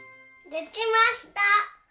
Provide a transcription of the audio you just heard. できました！